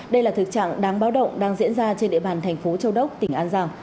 đây là thực trạng đáng báo động đang diễn ra trên địa bàn thành phố châu đốc tỉnh an giang